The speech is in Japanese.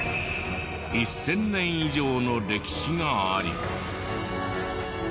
１０００年以上の歴史があり。